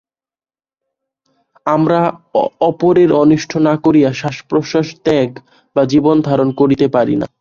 আমরা অপরের অনিষ্ট না করিয়া শ্বাসপ্রশ্বাস ত্যাগ বা জীবনধারণ করিতে পারি না।